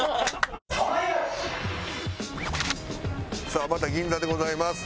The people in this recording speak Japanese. さあまた銀座でございます。